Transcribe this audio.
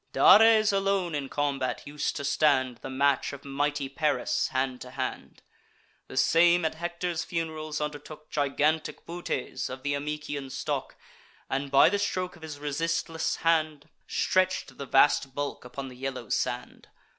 Dares alone in combat us'd to stand The match of mighty Paris, hand to hand; The same, at Hector's fun'rals, undertook Gigantic Butes, of th' Amycian stock, And, by the stroke of his resistless hand, Stretch'd the vast bulk upon the yellow sand.